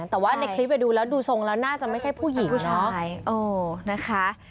แต่ว่าในคลิปดูแล้วดูทรงแล้วน่าจะไม่ใช่ผู้หญิงเนาะนะคะ